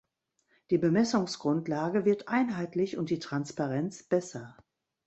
Die Bemessungsgrundlage wird einheitlich und die Transparenz besser.